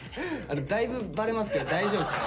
だいぶバレますけど大丈夫ですか。